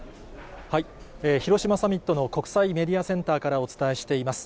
広島サミットの国際メディアセンターからお伝えしています。